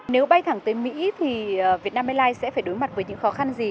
nếu bay thẳng tới mỹ thì việt nam airlines sẽ phải đối mặt với những khó khăn gì